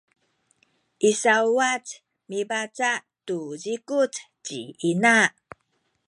i sauwac mibaca’ tu zikuc ci ina